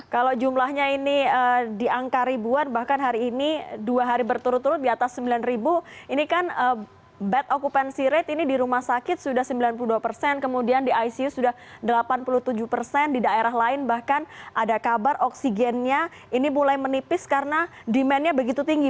kalau jumlahnya ini di angka ribuan bahkan hari ini dua hari berturut turut di atas sembilan ribu ini kan bad occupancy rate ini di rumah sakit sudah sembilan puluh dua persen kemudian di icu sudah delapan puluh tujuh persen di daerah lain bahkan ada kabar oksigennya ini mulai menipis karena demandnya begitu tinggi